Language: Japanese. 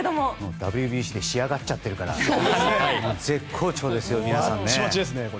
ＷＢＣで仕上がっちゃってるから絶好調ですよ、皆さん。